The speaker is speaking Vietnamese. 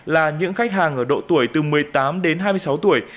là những khách hàng ở độ tuổi từ một mươi tám đến hai mươi sáu tuổi